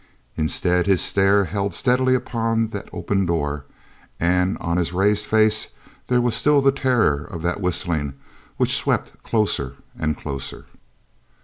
Instead, his stare held steadily upon that open door and on his raised face there was still the terror of that whistling which swept closer and closer.